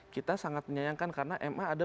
kita sangat menyayangkan karena ma ada